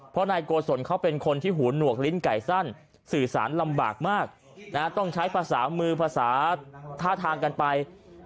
เพราะนายโกศลเขาเป็นคนที่หูหนวกลิ้นไก่สั้นสื่อสารลำบากมากต้องใช้ภาษามือภาษาท่าทางกันไป